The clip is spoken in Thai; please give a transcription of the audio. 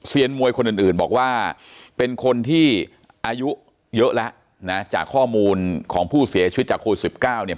มวยคนอื่นบอกว่าเป็นคนที่อายุเยอะแล้วนะจากข้อมูลของผู้เสียชีวิตจากโควิด๑๙เนี่ย